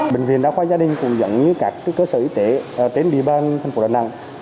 bệnh viện đa khoa gia đình cũng giống như các cơ sở y tế trên địa bàn thành phố đà nẵng